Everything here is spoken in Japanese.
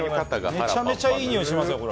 めちゃめちゃいいにおいしますよ、これ。